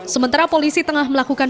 sementara polisi tengah melakukan